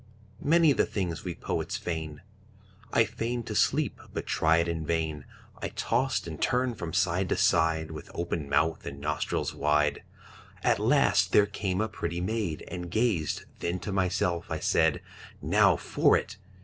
Many the things we poets feign. I feign'd to sleep, but tried in vain. I tost and turn'd from side to side, With open mouth and nostrils wide. At last there came a pretty maid, And gazed; then to myself I said, 'Now for it!'